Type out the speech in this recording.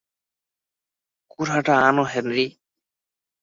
কুঠার টা আন, হেনরি।